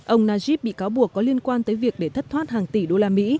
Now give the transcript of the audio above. ông najib bị cáo buộc có liên quan tới việc để thất thoát hàng tỷ usd